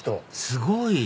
すごい！